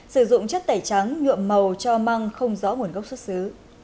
sử dụng chất tẩy trắng nhuộm màu cho măng không rõ nguồn gốc xuất xứ